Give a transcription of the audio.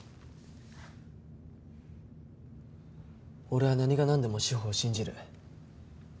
俺は何がなんでも志法を信じる。